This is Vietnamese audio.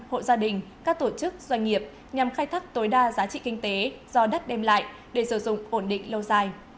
hộ gia đình các tổ chức doanh nghiệp nhằm khai thác tối đa giá trị kinh tế do đất đem lại để sử dụng ổn định lâu dài